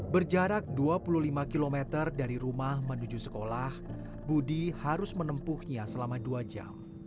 berjarak dua puluh lima km dari rumah menuju sekolah budi harus menempuhnya selama dua jam